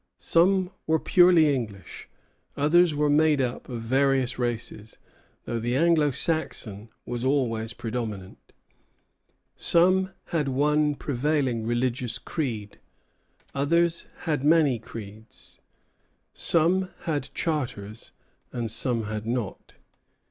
Some were purely English; others were made up of various races, though the Anglo Saxon was always predominant. Some had one prevailing religious creed; others had many creeds. Some had charters, and some had not.